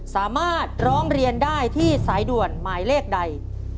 สามารถร้องเรียนได้ที่สายด่วนหมายเลขใด